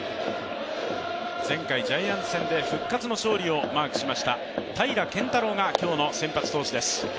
前回ジャイアンツ戦で復活の勝利をマークしました平良拳太郎が今日の先発投手です。